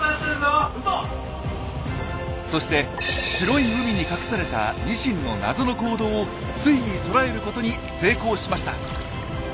そして白い海に隠されたニシンの謎の行動をついに捉えることに成功しました！